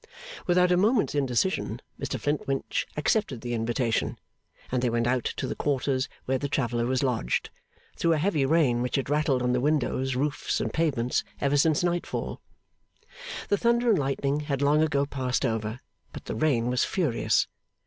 Without a moment's indecision, Mr Flintwinch accepted the invitation, and they went out to the quarters where the traveller was lodged, through a heavy rain which had rattled on the windows, roofs, and pavements, ever since nightfall. The thunder and lightning had long ago passed over, but the rain was furious.